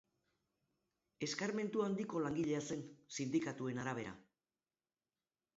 Eskarmentu handiko langilea zen, sindikatuen arabera.